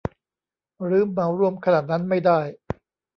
หรือเหมารวมขนาดนั้นไม่ได้